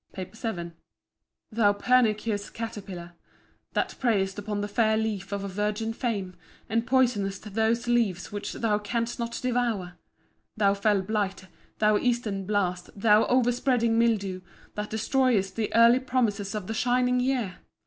PAPER VII Thou pernicious caterpillar, that preyest upon the fair leaf of virgin fame, and poisonest those leaves which thou canst not devour! Thou fell blight, thou eastern blast, thou overspreading mildew, that destroyest the early promises of the shining year!